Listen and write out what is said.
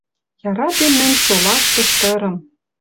Яратем мӹнь солаштыш тырым